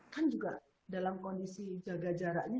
kan juga dalam kondisi jaga jaraknya